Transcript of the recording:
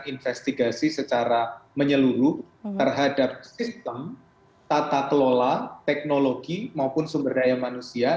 investigasi secara menyeluruh terhadap sistem tata kelola teknologi maupun sumber daya manusia